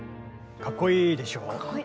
かっこいいでしょ。